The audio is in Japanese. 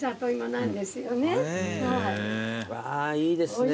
うわーいいですね。